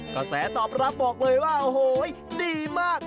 กระแสตอบรับบอกเลยว่าโอ้โหดีมาก